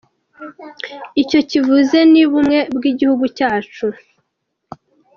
Icyo kivuze ni ubumwe bw'igihugu cyacu.